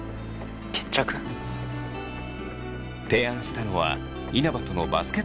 提案したのは稲葉とのバスケットボールによる対決。